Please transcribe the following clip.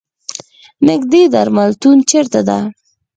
نیږدې درملتون چېرته ده؟